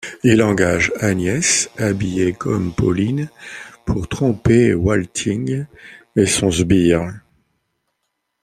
Il engage Agnès, habillée comme Pauline, pour tromper Walting et son sbire.